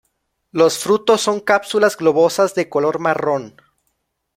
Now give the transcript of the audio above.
Los fruto son cápsulas globosas de color marrón.